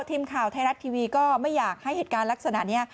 ทีมข่าวไทยรัฐทีวีก็ไม่อยากให้เหตุการณ์ลักษณะนี้